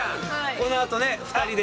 このあとね２人で。